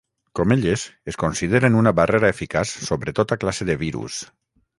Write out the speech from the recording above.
Com elles, es consideren una barrera eficaç sobre tota classe de virus.